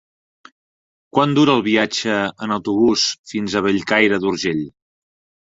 Quant dura el viatge en autobús fins a Bellcaire d'Urgell?